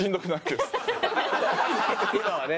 今はね。